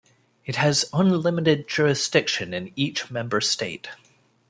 It has unlimited jurisdiction in each member State.